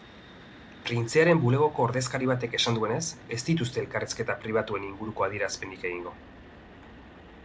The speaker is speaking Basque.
Printzearen bulegoko ordezkari batek esan duenez ez dituzte elkarrizketa pribatuen inguruko adierazpenik egingo.